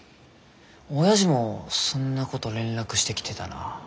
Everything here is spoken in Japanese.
おやじもそんなごど連絡してきてたな。